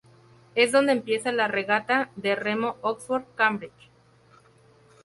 Es donde empieza la Regata de remo Oxford-Cambridge.